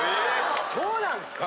そうなんですか？